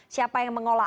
siapa yang mengolah